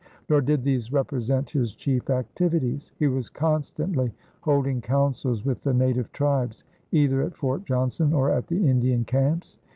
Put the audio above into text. Nor did these represent his chief activities. He was constantly holding councils with the native tribes either at Fort Johnson or at the Indian camps.